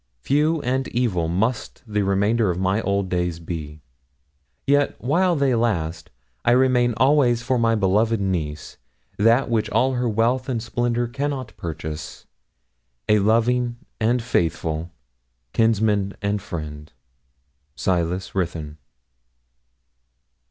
Few and evil must the remainder of my old days be. Yet, while they last, I remain always for my beloved niece, that which all her wealth and splendour cannot purchase a loving and faithful kinsman and friend, SILAS RUTHYN.'